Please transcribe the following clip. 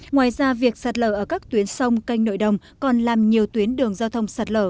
ngoài ra việc sạt lở ở các tuyến sông canh nội đồng còn làm nhiều tuyến đường giao thông sạt lở